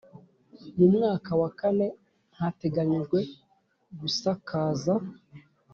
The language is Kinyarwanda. Mu mwaka wa kane hateganyijwe gusakaza